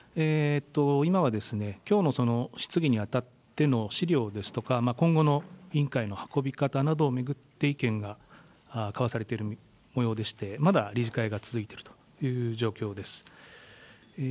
今は、きょうの質疑にあたっての資料ですとか、今後の委員会の運び方などを巡って、意見が交わされているもようでして、まだ理事会が続いているという状況です。